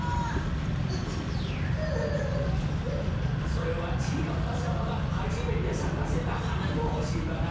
それはちぃかっぱさまがはじめてさかせたはなのおしばな。